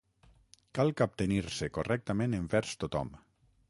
Cal captenir-se correctament envers tothom.